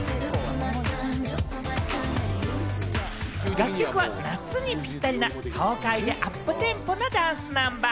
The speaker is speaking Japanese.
楽曲は夏にぴったりな、爽快でアップテンポなダンスナンバー。